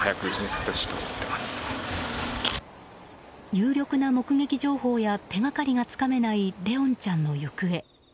有力な目撃情報や手がかりがつかめない怜音ちゃんの行方。